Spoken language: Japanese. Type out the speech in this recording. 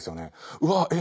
うわえっ！